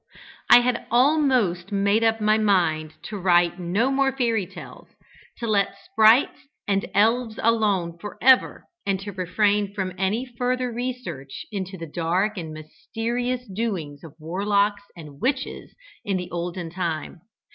I had almost made up my mind to write no more Fairy Tales, to let sprites and elves alone for ever, and to refrain from any further research into the dark and mysterious doings of warlocks and witches in the olden time.